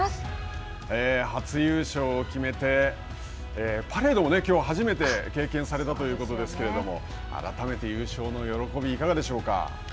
初優勝を決めて、パレードもきょう初めて経験されたということですけれども改めて、優勝の喜び、いかがでしょうか。